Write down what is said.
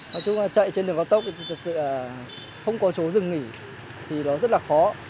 nói chung là chạy trên đường cao tốc thì thực sự là không có chỗ dừng nghỉ thì nó rất là khó